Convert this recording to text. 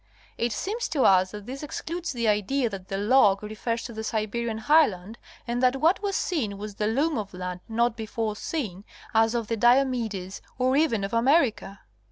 It seems to us that this excludes the idea that the log refers to the Siberian highland and that what was seen was the loom of land not before seen, as of the Diomedes or even of America.